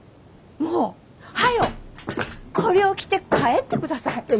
もう早うこりょう着て帰ってください。